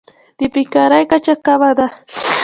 د بیکارۍ کچه کمه ده.